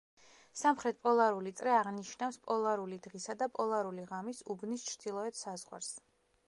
სამხრეთ პოლარული წრე აღნიშნავს პოლარული დღისა და პოლარული ღამის უბნის ჩრდილოეთ საზღვარს.